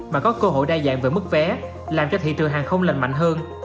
mà có cơ hội đa dạng về mức vé làm cho thị trường hàng không lành mạnh hơn